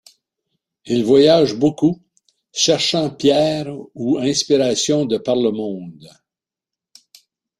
Il voyage beaucoup, cherchant pierres ou inspiration de par le monde.